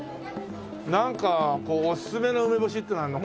なんかこうおすすめの梅干しっていうのはあるの？